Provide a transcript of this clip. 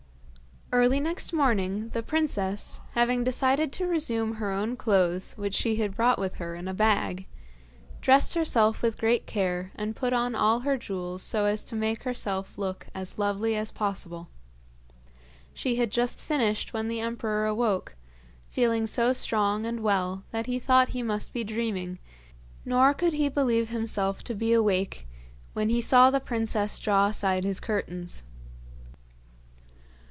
Early next morning, the princess, having decided to resume her own clothes which she had brought with her in a bag, dressed herself with great care and put on all her jewels so as to make herself look as lovely as possible. She had just finished when the emperor awoke, feeling so strong and well that he thought he must be dreaming, nor could he believe himself to be awake when he saw the princess draw aside his curtains.